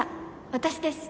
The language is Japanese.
私です。